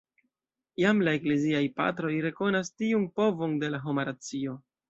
Jam la Ekleziaj Patroj rekonas tiun povon de la homa racio.